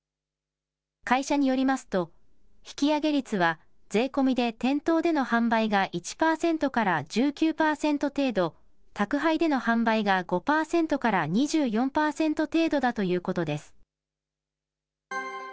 会社によりますと、引き上げ率は税込みで店頭での販売が１％から１９％程度、宅配での販売が５％から２４％程度だということです。